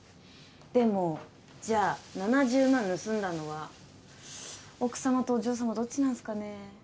でもじゃあ７０万盗んだのは奥様とお嬢様どっちなんすかね？